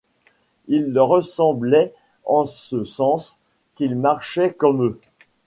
Il leur ressemblait en ce sens qu’il marchait comme eux.